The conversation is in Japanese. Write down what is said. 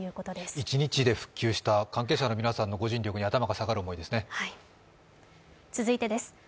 一日で復旧した関係者の皆さんのご尽力に頭が下がる思いですね。